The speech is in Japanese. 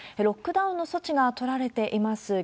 ロックダウンの措置が取られています